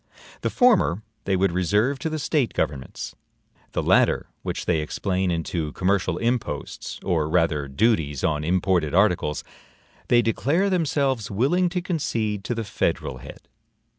The former they would reserve to the State governments; the latter, which they explain into commercial imposts, or rather duties on imported articles, they declare themselves willing to concede to the federal head.